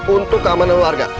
untuk keamanan warga